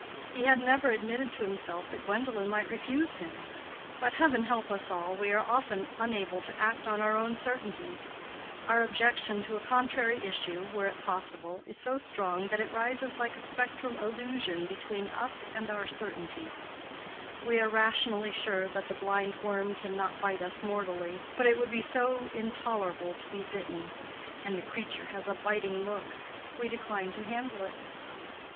He had never admitted to himself that Gwendolen might refuse him, but—heaven help us all!—we are often unable to act on our certainties; our objection to a contrary issue (were it possible) is so strong that it rises like a spectral illusion between us and our certainty; we are rationally sure that the blind worm can not bite us mortally, but it would be so intolerable to be bitten, and the creature has a biting look—we decline to handle it.